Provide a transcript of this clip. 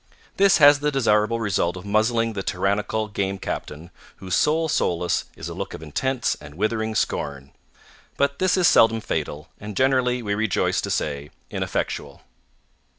This has the desirable result of muzzling the tyrannical Game Captain, whose sole solace is a look of intense and withering scorn. But this is seldom fatal, and generally, we rejoice to say, ineffectual.